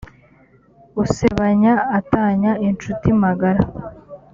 usebanya atanya incuti magara